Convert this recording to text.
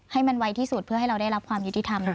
ให้มันไวที่สุดเพื่อให้เราได้รับความยุติธรรม